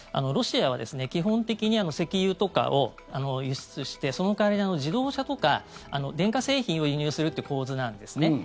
ロシアは基本的に石油とかを輸出してその代わり自動車とか電化製品を輸入するって構図なんですね。